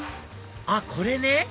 あっこれね！